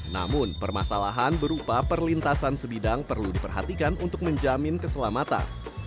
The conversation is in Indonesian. namun permasalahan berupa perlintasan sebidang perlu diperhatikan untuk menjamin keselamatan